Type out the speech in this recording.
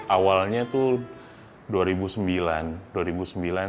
awalnya tuh dua ribu sembilan